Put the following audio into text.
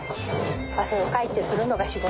汗をかいてするのが仕事。